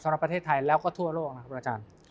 สำหรับประเทศไทยแล้วก็ทั่วโลกนะครับอาจารย์